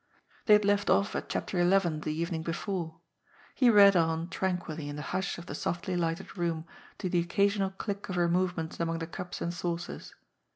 They had left off at Chapter XI. the evening before. He read on tranquilly in the hush of the softly lighted room to the occasional click of her movements among the cups and saucers.